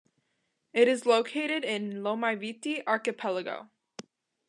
It is located in Lomaiviti Archipelago.